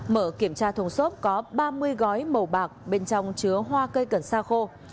mở kiểm tra thùng xốp có ba mươi gói màu bạc bên trong chứa hoa cây cần sa khô